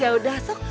ya udah sok